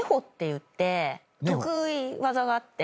得意技があって。